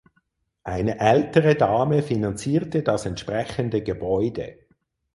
Eine ältere Dame finanzierte das entsprechende Gebäude.